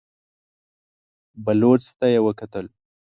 بلوڅ ته يې وکتل.